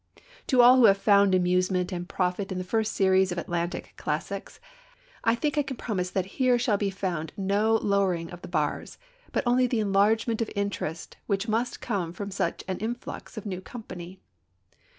To all who have found amusement and profit in the first series of Atlantic Classics, I think I can promise that here shall be found no lowering of the bars, but only the enlargement of interest which must come from such an influx of new company.